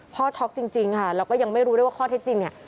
พ่อช็อกจริงค่ะแล้วก็ยังไม่รู้ได้ว่าข้อเท็จจริง